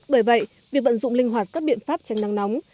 bởi vậy việc vận dụng linh hoạt các biện pháp tránh nắng nóng